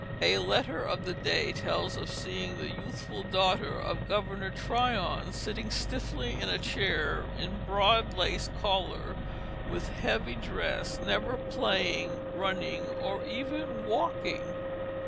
A letter of the day tells of seeing the youthful daughter of Governor Tryon sitting stiffly in a chair, in broad lace collar, with heavy dress, never playing, running, or even walking.